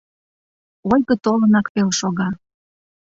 Ойго толынак вел шога...